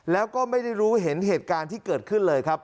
แล้วก็ไม่ได้รู้เห็นเหตุการณ์ที่เกิดขึ้นเลยครับ